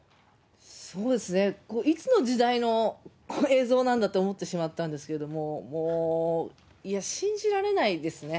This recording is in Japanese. そうですね、いつの時代の映像なんだと思ってしまったんですけど、もう、いや、信じられないですね。